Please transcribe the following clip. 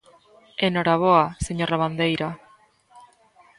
¡En hora boa, señor Lavandeira!